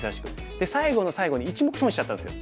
で最後の最後に１目損しちゃったんですよ。